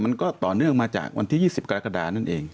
มันก็ต่อเนื่องมาจากวันที่๒๐กรกฎานั่นเอง